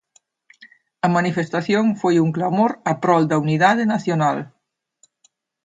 A manifestación foi un clamor a prol da unidade nacional.